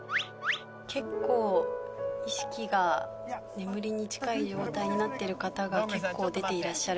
眠りに近い状態になってる方が結構出ていらっしゃる。